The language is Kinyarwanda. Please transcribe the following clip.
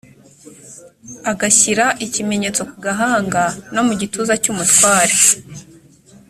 agashyira ikimenyetso ku gahanga no mu gituza cy umutware